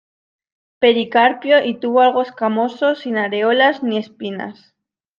Pericarpio y tubo algo escamoso, sin areolas ni espinas.